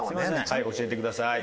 はい教えてください。